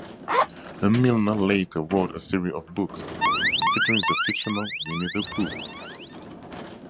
A. Milne later wrote a series of books featuring the fictional Winnie-the-Pooh.